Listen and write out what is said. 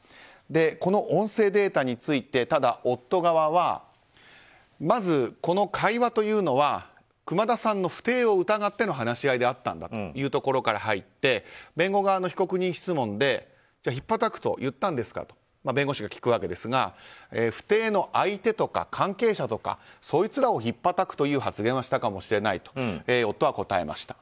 この音声データについてただ夫側はまず、この会話というのは熊田さんの不貞を疑っての話し合いであったんだというところから入って弁護側の被告人質問で引っぱたくと言ったんですかと弁護士が聞くんですが不貞の相手とか、関係者とかそいつらを引っぱたくという発言はしたかもしれないと夫は答えました。